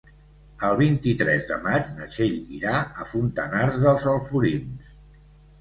El vint-i-tres de maig na Txell irà a Fontanars dels Alforins.